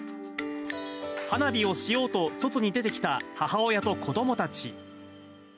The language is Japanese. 花火をしようと外に出てきた母親と子どもたち。